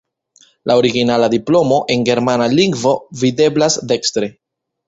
La originala diplomo, en germana lingvo, videblas dekstre.